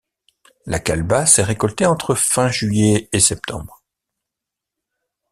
La calebasse est récoltée entre fin juillet et septembre.